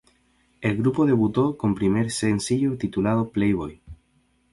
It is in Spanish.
El grupo debutó con primer sencillo titulado "Playboy".